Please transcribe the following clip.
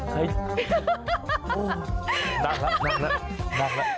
หนักแล้วหนักแล้ว